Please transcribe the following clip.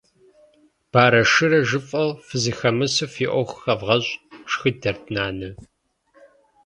Барэ-шырэ жыфӏэу фызэхэмысу фи ӏуэху хэвгъэщӏ, - шхыдэрт нанэ.